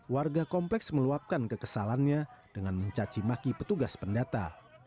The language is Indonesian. warga kompleks meluapkan kekesalannya dengan mencaci maki petugas pendata